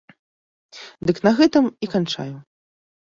Дык на гэтым і канчаю.